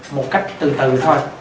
một cách từ từ thôi